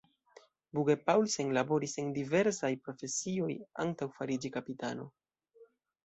Bugge-Paulsen laboris en diversaj profesioj antaŭ fariĝi kapitano.